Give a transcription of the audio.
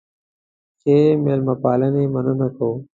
د ښې مېلمه پالنې مننه کوو.